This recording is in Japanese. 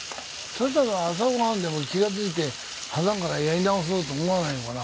そしたら朝ご飯でも気がついてはなからやり直そうと思わないのかな。